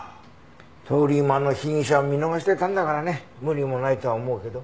通り魔の被疑者を見逃してたんだからね無理もないとは思うけど。